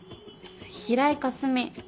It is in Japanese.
平井かすみ。